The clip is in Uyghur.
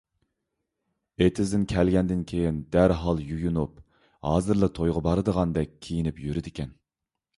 ئېتىزدىن كەلگەندىن كېيىن دەرھال يۇيۇنۇپ، ھازىرلا تويغا بارىدىغاندەك كىيىنىپ يۈرىدىكەن.